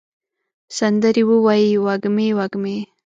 سندرې ووایې وږمې، وږمې